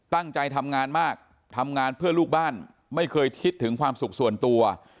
ตั้งใจทำงานมากทำงานเพื่อลูกบ้านไม่เคยคิดถึงความสุขส่วนตัว